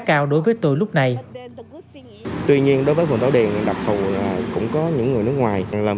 cao đối với tôi lúc này tuy nhiên đối với vùng đảo điền đặc thù cũng có những người nước ngoài làm